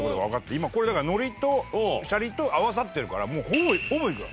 今これだから海苔とシャリと合わさってるからもうほぼイクラ。